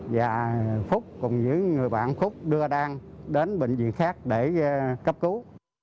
và phúc cùng những người bạn phúc đưa đan đến bệnh viện khác để cấp cứu